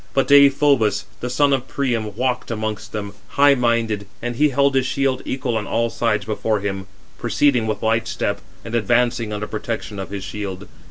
But Deïphobus, the son of Priam, walked amongst them, high minded, and he held his shield equal on all sides before him, proceeding with light step, and advancing under protection of his shield.